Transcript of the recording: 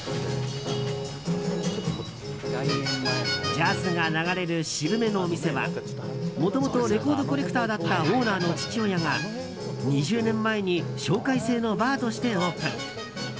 ジャズが流れる渋めのお店はもともとレコードコレクターだったオーナーの父親が２０年前に紹介制のバーとしてオープン。